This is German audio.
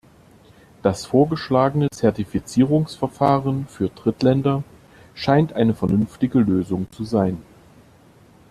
Das vorgeschlagene Zertifizierungsverfahren für Drittländer scheint eine vernünftige Lösung zu sein.